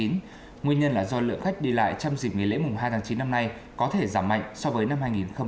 nguyên nhân là do lượng khách đi lại trong dịp nghỉ lễ mùng hai tháng chín năm nay có thể giảm mạnh so với năm hai nghìn hai mươi hai